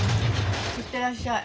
行ってらっしゃい。